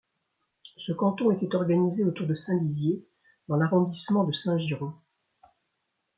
Ce canton était organisé autour de Saint-Lizier dans l'arrondissement de Saint-Girons.